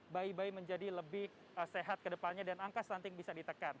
bayi bayi menjadi lebih sehat ke depannya dan angka stunting bisa ditekan